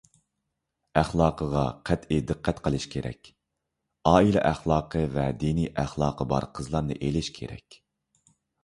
ئەخلاقىغا قەتئىي دىققەت قىلىش كېرەك، ئائىلە ئەخلاقى ۋە دىنىي ئەخلاقى بار قىزلارنى ئېلىش كېرەك.